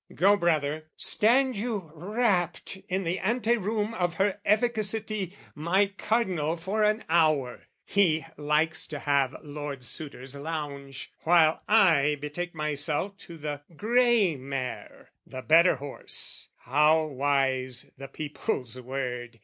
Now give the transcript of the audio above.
"Go, brother, stand you rapt in the ante room "Of Her Efficacity my Cardinal "For an hour, he likes to have lord suitors lounge, "While I betake myself to the grey mare, "The better horse, how wise the people's word!